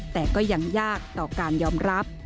แต่ก็ยังยากต่อการยอมรับ